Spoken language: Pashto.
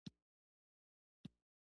پوښتنه یې کاوه، چې پاچا څه غواړي.